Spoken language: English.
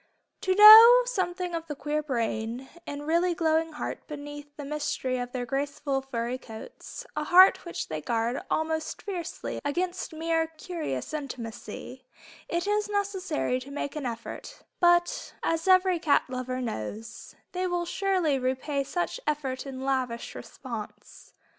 To know something of the queer brain and really glowing heart beneath the mystery of their graceful furry coats, a heart which they guard almost fiercely against mere "curious" intimacy, it is necessary to make an effort; but as every cat lover knows, they will surely repay such effort in lavish response.